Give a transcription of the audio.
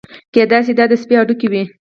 کېدای شي دا یې د سپي هډوکي وي.